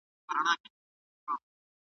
د ځان ساتنه کمزوري نه ده